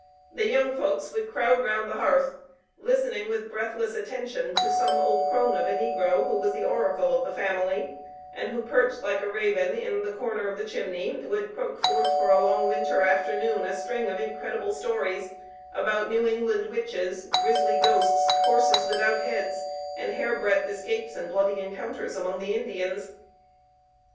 The young folks would crowd around the hearth, listening with breathless attention to some old crone of a negro, who was the oracle of the family, and who, perched like a raven in the corner of a chimney, would croak forth for a long winter afternoon a string of incredible stories about New England witches, grisly ghosts, horses without heads, and hair breadth escapes and bloody encounters among the Indians.